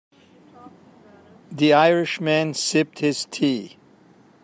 The Irish man sipped his tea.